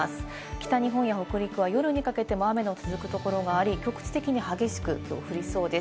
北日本や北陸は夜にかけても雨の続くところがあり、局地的に激しく降りそうです。